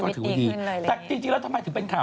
ชีวิตดีขึ้นเลยแต่จริงแล้วทำไมถึงเป็นข่าว